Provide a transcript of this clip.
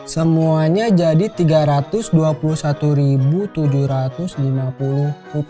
semuanya jadi rp tiga ratus dua puluh satu tujuh ratus lima puluh